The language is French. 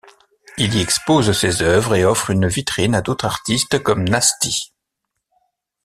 Il y expose ses œuvres et offre une vitrine à d'autres artistes comme Nasty.